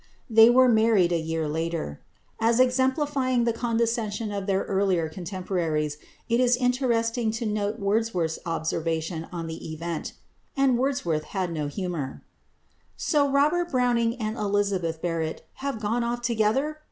They were married a year later. As exemplifying the condescension of their earlier contemporaries it is interesting to note Wordsworth's observation on the event and Wordsworth had no humour "So, Robert Browning and Elizabeth Barrett have gone off together!